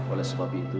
oleh sebab itu